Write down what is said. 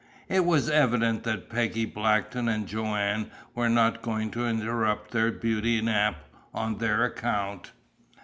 It was evident that Peggy Blackton and Joanne were not going to interrupt their beauty nap on their account.